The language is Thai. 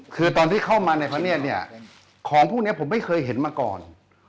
คือตอนที่เข้ามาในแผนตของพวกนี้ผมไม่เคยเห็นมาก่อน